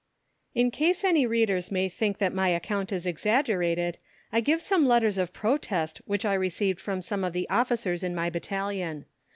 In case any readers may think that my account is exaggerated I give some letters of protest which I received from some of the officers in my battalion.